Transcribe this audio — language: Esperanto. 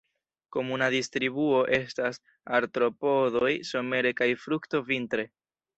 Komuna distribuo estas artropodoj somere kaj frukto vintre.